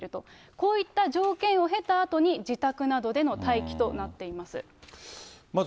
こういった条件を経たあとに、自宅などでの待機となっています。